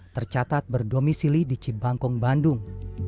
tercatat berdomisili di cibangkong bandung